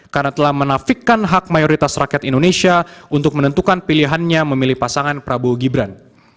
karena telah menafikkan hak mayoritas rakyat indonesia untuk menentukan pilihannya memilih pasangan prabowo gibran